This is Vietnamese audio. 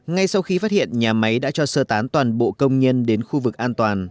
ngay sau khi phát hiện nhà máy đã cho sơ tán toàn bộ công nhân đến khu vực an toàn